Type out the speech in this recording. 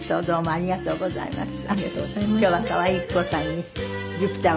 ありがとうございます。